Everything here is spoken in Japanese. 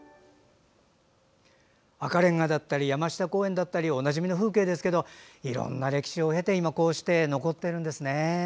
赤レンガだったり山下公園だったりおなじみの風景ですけどいろんな歴史を経て今こうして残っているんですね。